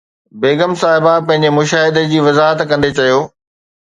بيگم صاحبه پنهنجي مشاهدي جي وضاحت ڪندي چيو